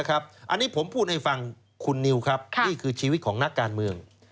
อันนี้ผมพูดให้ฟังคุณนิวครับนี่คือชีวิตของนักการเมือง